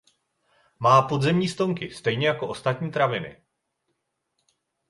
Má podzemní stonky stejně jako ostatní traviny.